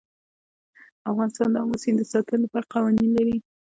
افغانستان د آمو سیند د ساتنې لپاره قوانین لري.